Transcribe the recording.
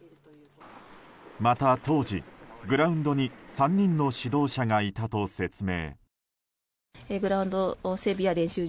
また当時、グラウンドに３人の指導者がいたと説明。